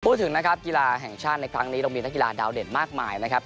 พูดถึงนะครับกีฬาแห่งชาติในครั้งนี้เรามีนักกีฬาดาวเด่นมากมายนะครับ